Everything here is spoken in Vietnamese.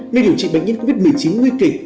nơi điều trị bệnh nhân covid một mươi chín nguy kịch